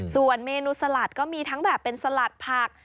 ส่วนเมนูสลัดก็มีทั้งแบบเป็นสลัดผัก